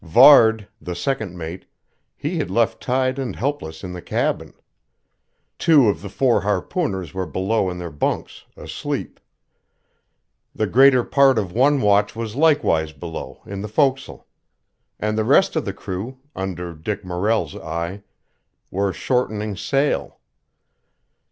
Varde, the second mate, he had left tied and helpless in the cabin. Two of the four harpooners were below in their bunks, asleep. The greater part of one watch was likewise below, in the fo'c's'le; and the rest of the crew, under Dick Morrell's eye, were shortening sail.